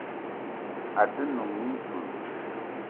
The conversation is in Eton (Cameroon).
A te num mintchoul